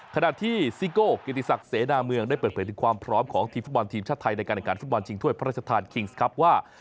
ขณะที่ซิโก้กิติศักดิ์เสนาเมืองได้เปิดเผยถึงความพร้อมของทีมฟุตบอลทีมชาติไทยในการแข่งขันฟุตบอลชิงถ้วยพระราชทานคิงส์ครับว่า